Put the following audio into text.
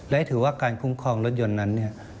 และถือว่าการคุ้มครองรถยนต์นั้นเนี่ย